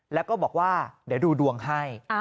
แล้วก็บอกว่าเดี๋ยวดูดวงให้